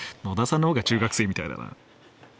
野田さんの方が中学生みたいだな。